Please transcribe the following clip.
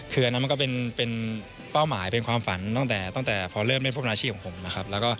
คืออันนั้นมันก็เป็นเป้าหมายเป็นความฝันตั้งแต่พอเริ่มเล่นพวกอาชีพของผมนะครับ